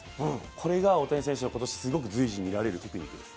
これが大谷選手の今年、すごく随時見られるテクニックです。